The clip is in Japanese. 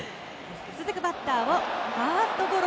続くバッターファーストゴロ。